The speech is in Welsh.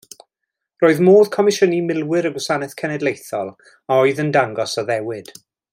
Roedd modd comisiynu milwyr y Gwasanaeth Cenedlaethol a oedd yn dangos addewid.